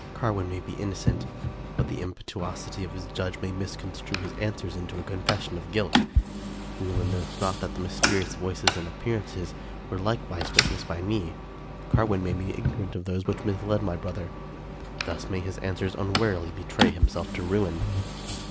Carwin may be innocent, but the impetuosity of his judge may misconstrue his answers into a confession of guilt. Wieland knows not that mysterious voices and appearances were likewise witnessed by me. Carwin may 290 Charles Brockdcn Brown be ignorant of those which misled my brother. Thus may his answers unwarily betray himself to ruin.